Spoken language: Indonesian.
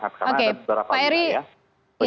karena ada beberapa hal ya